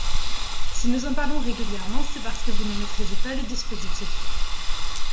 Si nous en parlons régulièrement, c’est parce que vous ne maîtrisez pas le dispositif.